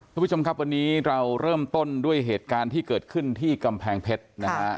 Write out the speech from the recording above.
คุณผู้ชมครับวันนี้เราเริ่มต้นด้วยเหตุการณ์ที่เกิดขึ้นที่กำแพงเพชรนะฮะ